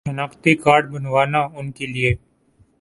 شناختی کارڈ بنوانا ان کے لیے